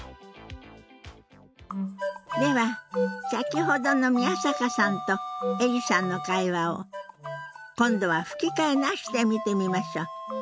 では先ほどの宮坂さんとエリさんの会話を今度は吹き替えなしで見てみましょう。